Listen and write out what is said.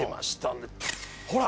ほら。